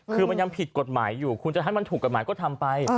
คือมันยังผิดกฎหมายอยู่คุณจะให้มันถูกกฎหมายก็ทำไป